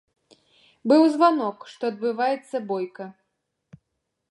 Быў званок, што адбываецца бойка.